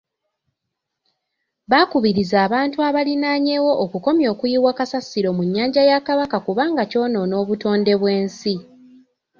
Bakubirizza abantu abalinanyewo okukomya okuyiwa kasasiro mu nnyanja ya Kabaka kubanga kyonoona obutonde bw'ensi.